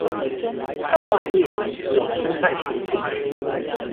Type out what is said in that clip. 消化液裏有胜肽水解酶